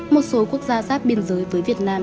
một số quốc gia giáp biên giới với việt nam